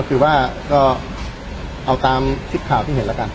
เอาตามฝีบข่าวที่เราเห็น